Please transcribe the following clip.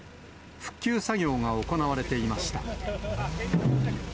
復旧作業が行われていました。